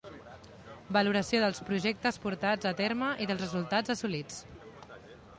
Valoració dels projectes portats a terme i dels resultats assolits.